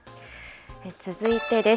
続いてです。